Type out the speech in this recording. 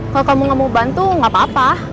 kalau kamu gak mau bantu gak apa apa